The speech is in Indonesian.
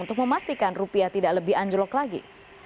untuk memastikan rupiah tidak lebih anjlok lagi